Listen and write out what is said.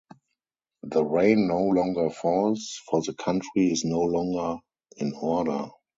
The rain no longer falls, for the country is no longer in order.